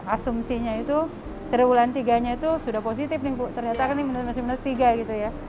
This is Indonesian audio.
asumsinya itu cerewulan tiga nya itu sudah positif setting ternyata ingin masih meski gaya gitu ya